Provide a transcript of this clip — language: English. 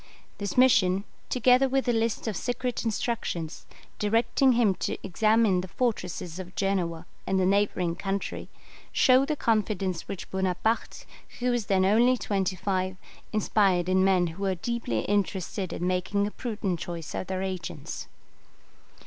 This mission, together with a list of secret instructions, directing him to examine the fortresses of Genoa and the neighbouring country, show the confidence which Bonaparte, who was then only twenty five, inspired in men who were deeply interested in making a prudent choice of their agents.